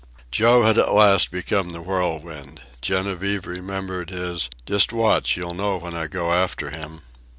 Joe had at last become the whirlwind. Genevieve remembered his "just watch, you'll know when I go after him."